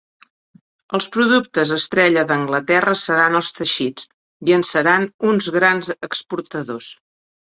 Els productes estrella d'Anglaterra seran els teixits i en seran uns grans exportadors.